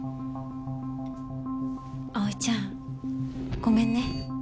葵ちゃんごめんね。